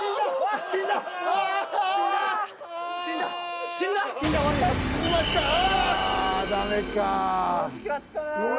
惜しかった。